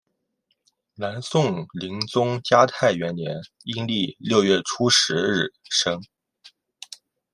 南宋宁宗嘉泰元年阴历六月初十日生。